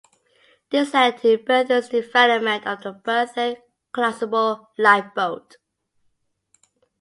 This led to Berthon's development of the Berthon Collapsible Lifeboat.